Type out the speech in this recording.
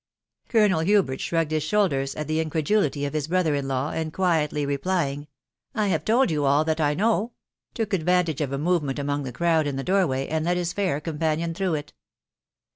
Colonel Hubert shrugged his shoulders at the mcredulrty o£ his bre^r fri law, and quietly replying, " I have told yon all I know, took advantage of at movement among the crowd in the door way, ami ted his fair companion through it.